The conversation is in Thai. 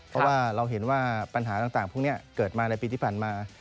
เพราะว่าเราเห็นว่าปัญหาต่างพวกนี้เกิดมาในปีที่ผ่านมา